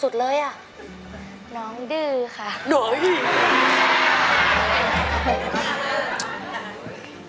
พี่โภค